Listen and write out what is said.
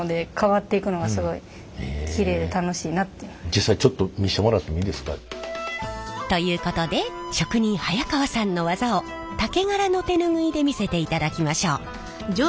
実際ちょっと見せてもらってもいいですか？ということで職人早川さんの技を竹柄の手ぬぐいで見せていただきましょう。